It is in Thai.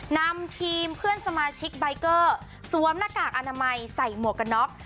นำทีมเพื่อนสมาชิกใบเกอร์สวมหน้ากากอนามัยใส่หมวกกันน็อก